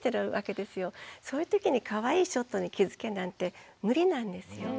そういうときにかわいいショットに気付けなんて無理なんですよ。